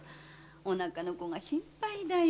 お腹の子が心配だよ